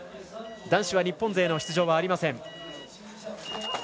男子は日本勢の出場はありません。